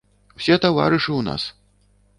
Усе таварышы ў нас!